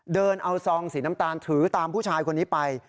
เดินเอาซองสีน้ำตาลถือตามผู้ชายคนนี้ไป